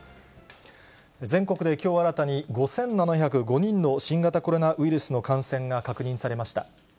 全国できょう新たに５７０５人の新型コロナウイルスの感染が確認されました。